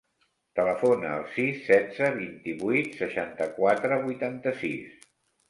Telefona al sis, setze, vint-i-vuit, seixanta-quatre, vuitanta-sis.